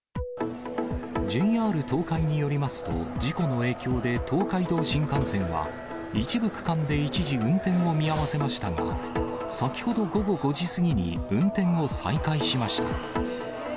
ＪＲ東海によりますと、事故の影響で東海道新幹線は、一部区間で一時運転を見合わせましたが、先ほど午後５時過ぎに運転を再開しました。